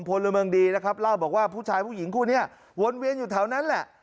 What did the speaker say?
พลเมืองดีนะครับเล่าบอกว่าผู้ชายผู้หญิงคู่นี้วนเวียนอยู่แถวนั้นแหละ